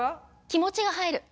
気持ちが入る。